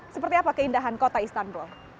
seperti apa keindahan kota istanbul